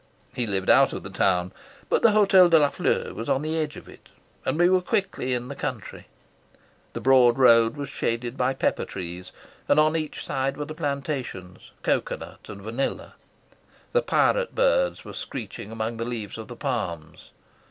He lived out of the town, but the Hotel de la Fleur was on the edge of it, and we were quickly in the country. The broad road was shaded by pepper trees, and on each side were the plantations, cocoa nut and vanilla. The pirate birds were screeching among the leaves of the palms.